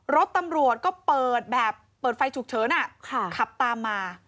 รถตำรวจก็เปิดแบบเปิดไฟฉุกเฉินขับตามมา